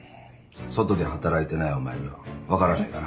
外で働いてないお前には分からないから。